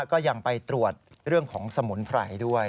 ก็ยังไปตรวจเรื่องของสมุนไพรด้วย